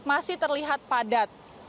ini terlihat padat